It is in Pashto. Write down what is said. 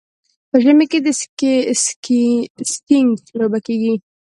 په ژمي کې د سکیینګ لوبه کیږي.